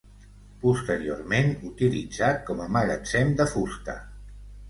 Posteriorment utilitzat com a magatzem de fusta.